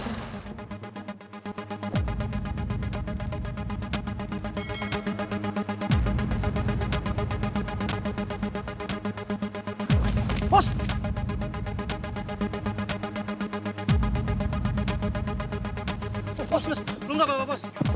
soalnya patrick bahkan diperkenankan sama del met plebeber kelab